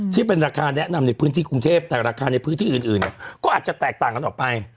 ที่เป็นราคาแนะนำในพื้นที่กรุงเทพแต่ราคาในพื้นที่อื่นก็อาจจะแตกต่างกันออกไป